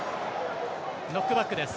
ノックバックです。